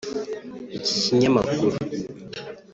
Iki kinyamakuru